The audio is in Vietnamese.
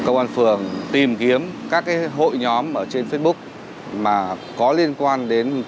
công an phường tìm kiếm các hội nhóm trên facebook